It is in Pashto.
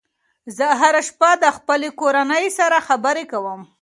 زه هره شپه د خپلې کورنۍ سره خبرې کوم.